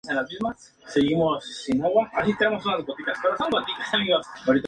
El equipo superó el número de chasis permitido en una temporada, fijado en ocho.